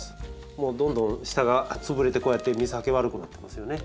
もうどんどん下が潰れてこうやって水はけ悪くなってますよね。